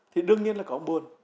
thì đương nhiên là có buồn